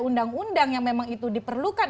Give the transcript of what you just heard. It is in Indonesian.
undang undang yang memang itu diperlukan